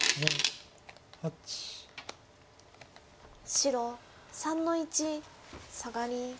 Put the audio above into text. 白３の一サガリ。